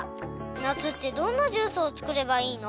「夏ってどんなジュースを作ればいいの？」